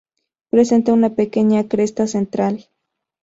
Presenta una pequeña cresta central.